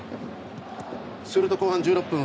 すると後半１６分。